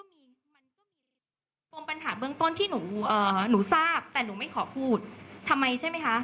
ปมปัญหาเบื้องต้นที่หนูทราบแต่หนูไม่ขอพูดทำไมใช่ไหมคะ